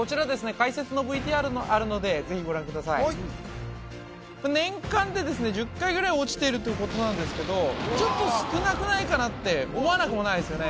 解説のＶＴＲがあるのでぜひご覧ください年間でですね１０回ぐらい落ちているということなんですがちょっと少なくないかな？って思わなくもないですよね